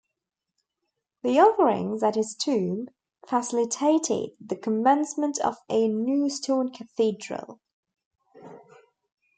The offerings at his tomb facilitated the commencement of a new stone cathedral.